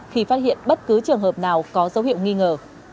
khi phát hiện bất cứ trường hợp nào có dấu hiệu nghi ngờ